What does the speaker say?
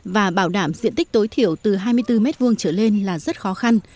và bảo đảm diện tích tối thiểu từ hai mươi bốn m hai trở lên là rất khó khăn